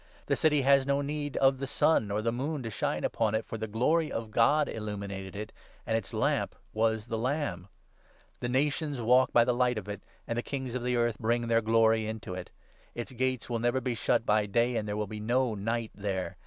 The City has no need of ' the sun or the moon to 23 shine upon it, for the Glory of God illuminated it,' and its Lamp was the Lamb. ' The nations walk by the light of it ; 24 and the kings of the earth bring their glory into it. Its gates 25 will never be shut by day,' and there will be no night there.